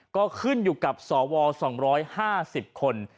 ก็ขึ้นอยู่กับสว๒๕๐คน